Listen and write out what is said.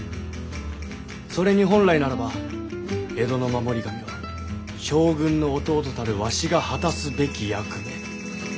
それに本来ならば江戸の守り神は将軍の弟たるわしが果たすべき役目。